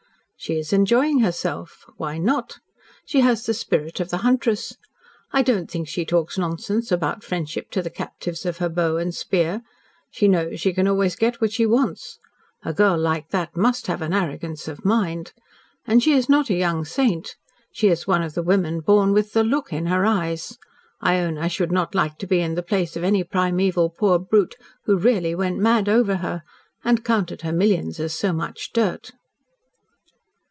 "She is enjoying herself. Why not? She has the spirit of the huntress. I don't think she talks nonsense about friendship to the captives of her bow and spear. She knows she can always get what she wants. A girl like that MUST have an arrogance of mind. And she is not a young saint. She is one of the women born with THE LOOK in her eyes. I own I should not like to be in the place of any primeval poor brute who really went mad over her and counted her millions as so much dirt."